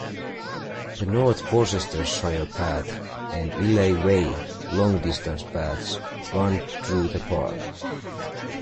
The North Worcestershire Path and Illey Way long distance paths run through the park.